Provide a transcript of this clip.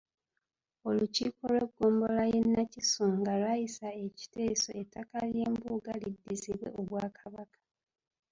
Olukiiko lw’eggombolola y’e Nakisunga lwayisa ekiteeso ettaka ly'embuga liddizibwe Obwakabaka.